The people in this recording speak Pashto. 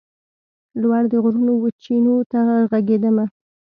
لوړ د غرونو وچېنو ته ږغېدمه